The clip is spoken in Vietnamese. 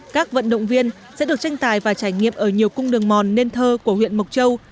các vận động viên sẽ được tranh tài và trải nghiệm ở nhiều cung đường mòn nên thơ của huyện mộc châu